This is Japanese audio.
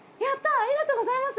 ありがとうございます！